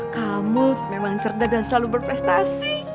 kamu memang cerdas dan selalu berprestasi